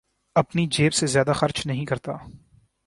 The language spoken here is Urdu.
اپنی جیب سے زیادہ خرچ نہیں کرتا